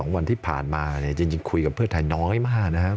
วันที่ผ่านมาจริงคุยกับเพื่อไทยน้อยมากนะครับ